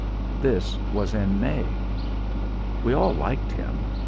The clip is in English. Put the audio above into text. This was in May. We all liked him.